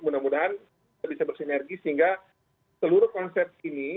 mudah mudahan kita bisa bersinergi sehingga seluruh konsep ini